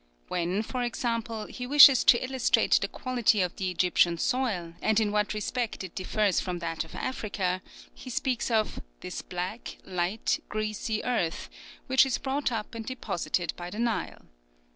When, for example, he wishes to illustrate the quality of the Egyptian soil, and in what respect it differs from that of Africa, he speaks of 'this black, light, greasy earth,' which is brought up and deposited by the Nile.